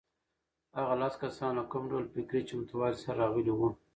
هغه لس کسان له کوم ډول فکري چمتووالي سره راغلي وو؟